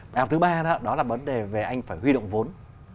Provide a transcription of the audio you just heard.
bài học thứ ba đó là vấn đề về anh phải huy động vốn